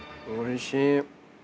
おいしい。